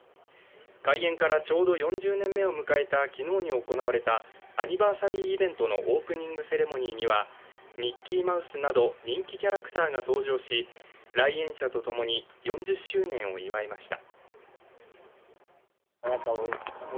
開園からちょうど４０年目を迎えた昨日に行われたアニバーサリーイベントのオープニングセレモニーにはミッキーマウスなど人気キャラクターが登場し来園者と共に４０周年を祝いました。